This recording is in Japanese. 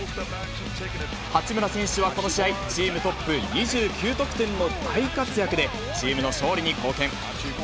八村選手はこの試合、チームトップ２９得点の大活躍で、チームの勝利に貢献。